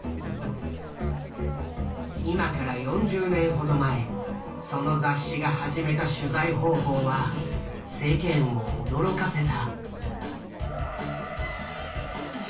今から４０年ほど前その雑誌が始めた取材方法は世間を驚かせた。